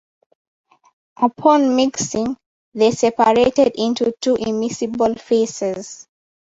Upon mixing, they separated into two immiscible phases.